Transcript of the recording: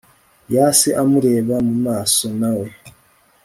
yase amureba mumaso nawe